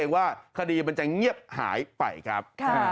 ว่าคดีมันจะเงียบหายไปครับ